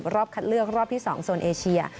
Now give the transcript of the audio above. รอบคัดเลือกรอบที่๒โซนเอเชีย